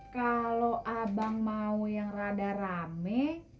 kalau abang mau yang rada rame